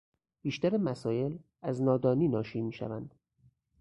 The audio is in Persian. بیشتر مسایل، از نادانی ناشی میشوند.